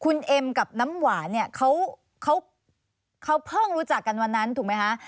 คุณเอ็มกับน้ำหวานเนี่ยเขาเพิ่งรู้จักกันวันนั้นถูกไหมคะ